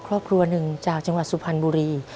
ครอบครัวหนึ่งจากจังหวัดสุพรรณบุรี